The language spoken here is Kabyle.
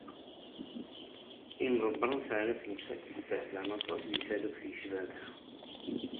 Imḍebbren teεna tamsalt stehzan aṭas deg taluft yecban ta.